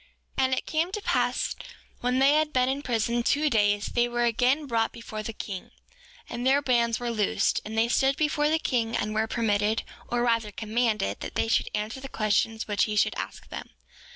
7:8 And it came to pass when they had been in prison two days they were again brought before the king, and their bands were loosed; and they stood before the king, and were permitted, or rather commanded, that they should answer the questions which he should ask them.